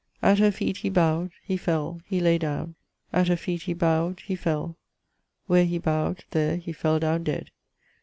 At her feet he bowed, he fell, he lay down: at her feet he bowed, he fell: where he bowed, there he fell down dead.